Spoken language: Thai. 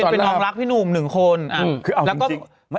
เป็นน้องรักพี่หนุ่มหนึ่งคน